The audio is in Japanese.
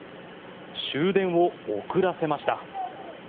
終電を遅らせました。